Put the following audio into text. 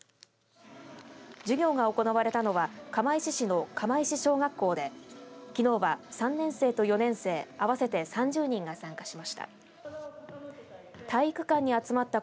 授業が行われたのは釜石市の釜石小学校できのうは、３年生と４年生合わせて３０人が参加しました。